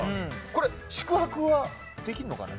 これ、宿泊はできるのかな？